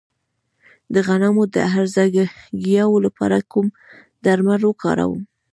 د غنمو د هرزه ګیاوو لپاره کوم درمل وکاروم؟